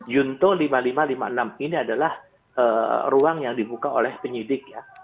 yunto lima ribu lima ratus lima puluh enam ini adalah ruang yang dibuka oleh penyidik ya